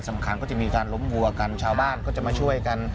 สำคัญก็จะมีการล้มวัวกันชาวบ้านก็จะมาช่วยกัน